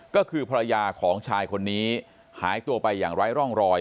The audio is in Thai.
ก็คือภรรยาของชายคนนี้หายตัวไปอย่างไร้ร่องรอย